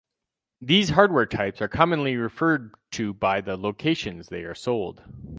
These hardware types are commonly referred to by the locations they are sold.